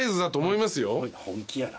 本気やな。